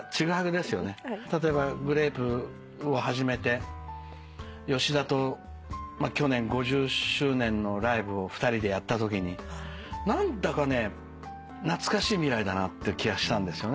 例えばグレープを始めて吉田と去年５０周年のライブを２人でやったときに何だかねなつかしい未来だなって気がしたんですよね。